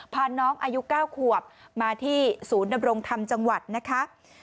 พาน้องอายุ๙ขวบมาที่ศูนย์ดำรงธรรมจังหวัดนะคะ